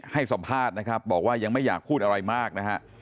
ให้สัมภาษณ์นะครับบอกว่ายังไม่อยากพูดอะไรมากนะฮะ